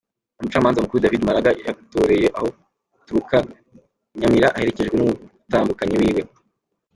Umucamanza mukuru David Maraga yatoreye aho aturuka Nyamira aherekejwe n’umutambukanyi wiwe.